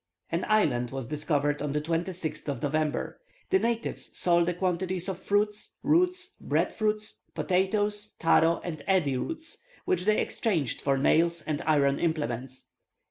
An island was discovered on the 26th of November. The natives sold a quantity of fruits, roots, bread fruits, potatoes, "taro" and "eddy" roots, which they exchanged for nails and iron implements.